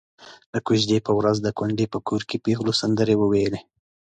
د کوژدې په ورځ د کونډې په کور کې پېغلو سندرې وويلې.